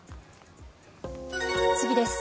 次です。